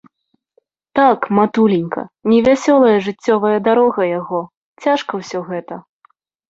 Так, матуленька, невясёлая жыццёвая дарога яго, цяжка ўсё гэта.